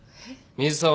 水沢。